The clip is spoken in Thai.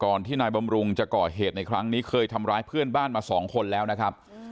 ที่นายบำรุงจะก่อเหตุในครั้งนี้เคยทำร้ายเพื่อนบ้านมาสองคนแล้วนะครับ